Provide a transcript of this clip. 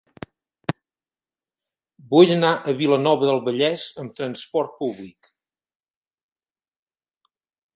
Vull anar a Vilanova del Vallès amb trasport públic.